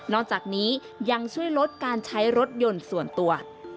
จากนี้ยังช่วยลดการใช้รถยนต์ส่วนตัว